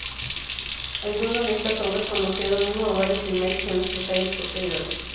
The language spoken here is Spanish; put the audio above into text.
Algunas de estas obras conocieron uno o varios remakes en años posteriores.